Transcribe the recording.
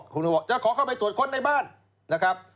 คุณก็บอกจะขอเข้าไปตรวจค้นในบ้านนะครับ